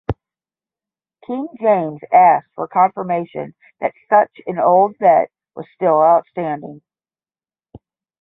King James asked for confirmation that such an old debt was still outstanding.